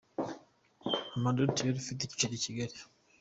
Hamadoun Touré, ifite icyicaro i Kigali .